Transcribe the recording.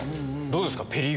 どうですか？